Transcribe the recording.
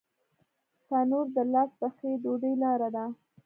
تنور د لاس پخې ډوډۍ لاره ده